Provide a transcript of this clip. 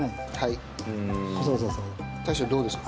大将どうですか？